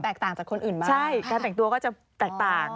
ต่างจากคนอื่นบ้างใช่การแต่งตัวก็จะแตกต่าง